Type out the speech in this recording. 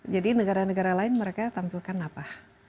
jadi negara negara lain mereka tampilkan apa